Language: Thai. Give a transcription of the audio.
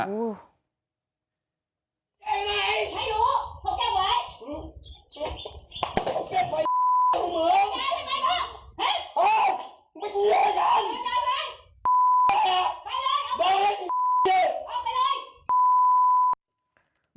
อู้ว